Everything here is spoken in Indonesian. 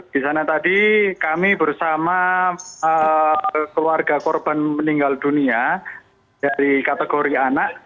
di sana tadi kami bersama keluarga korban meninggal dunia dari kategori anak